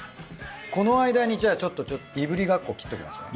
この間にじゃあちょっといぶりがっこを切っておきますね。